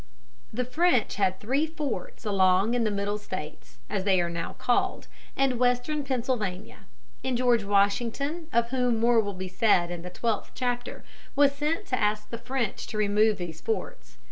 The French had three forts along in the Middle States, as they are now called, and Western Pennsylvania; and George Washington, of whom more will be said in the twelfth chapter, was sent to ask the French to remove these forts.